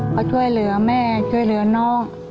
เขาช่วยเหลือแม่ช่วยเหลือน้อง